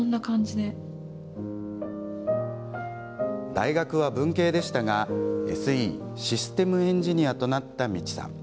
大学は文系でしたがＳＥ、システムエンジニアとなった、みちさん。